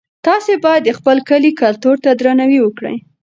تاسي باید د خپل کلي کلتور ته درناوی وکړئ.